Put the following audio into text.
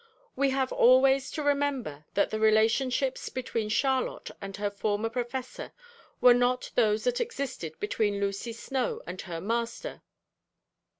We have always to remember that the relationships between Charlotte and her former Professor were not those that existed between Lucy Snowe and her 'Master.'